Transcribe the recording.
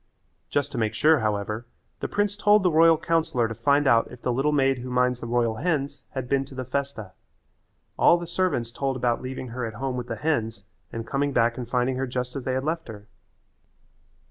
Just to make sure, however, the prince told the royal councillor to find out if the little maid who minds the royal hens had been to the festa. All the servants told about leaving her at home with the hens and coming back and finding her just as they had left her.